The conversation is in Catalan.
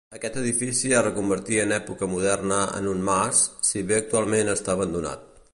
Aquest edifici es reconvertí en època moderna en un mas, si bé actualment està abandonat.